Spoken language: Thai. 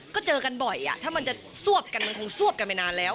ก็เจอกันบ่อยถ้ามันจะซวบกันมันคงซวบกันไปนานแล้ว